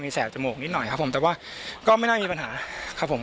มีแสบจมูกนิดหน่อยครับผม